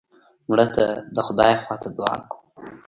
مړه ته د خدای خوا ته دعا کوو